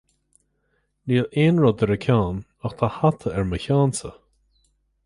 Níl aon rud ar a ceann, ach tá hata ar mo cheannsa